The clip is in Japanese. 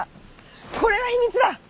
これが秘密だ！